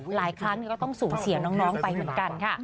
หลายครั้งก็ต้องสูญเสียน้องไปเหมือนกันค่ะ